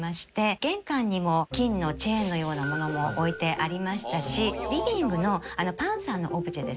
玄関にも金のチェーンのようなものも置いてありましたしリビングのパンサーのオブジェですね。